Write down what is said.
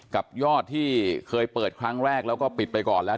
กับยอดที่เคยเปิดครั้งแรกแล้วก็ปิดไปก่อนแล้ว